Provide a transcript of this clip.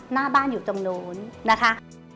หน้าบ้านอยู่ตรงนู้นนะคะ